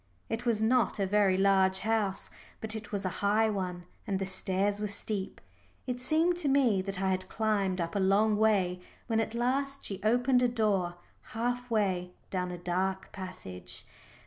It was not a very large house, but it was a high one and the stairs were steep. It seemed to me that I had climbed up a long way when at last she opened a door half way down a dark passage.